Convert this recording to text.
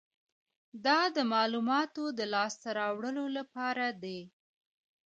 دا د معلوماتو د لاسته راوړلو لپاره دی.